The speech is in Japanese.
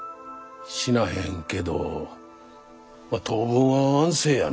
死なへんけど当分は安静やな。